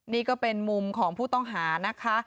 นี่ก็เป็นมุมของผู้ต้องหานะคะ